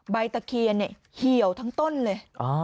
ตะเคียนเนี่ยเหี่ยวทั้งต้นเลย